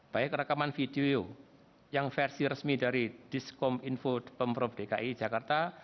baik rekaman video yang versi resmi dari diskom info pemprov dki jakarta